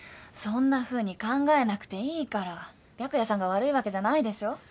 そんなふうに考えなくていいから白夜さんが悪いわけじゃないでしょ？